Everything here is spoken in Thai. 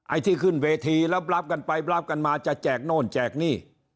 ไอ้ที่ขึ้นเวทีรับกันไปรับกันมาจะแจกโน่นแจกหนี้